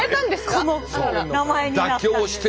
この名前になったんです。